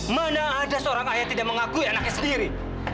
mana ada seorang ayah tidak mengakui anaknya sendiri